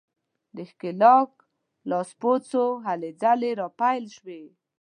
د ښکېلاک لاسپوڅو هلې ځلې راپیل شوې.